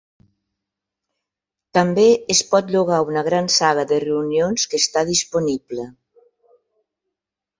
També es pot llogar una gran sala de reunions que està disponible.